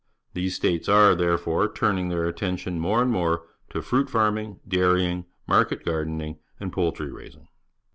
These states are, therefore, turning their attention more and more to fruit f arming. dairying, jiiarket gardening, and poultry raasing.